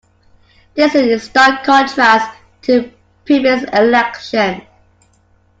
This is in stark contrast to previous elections.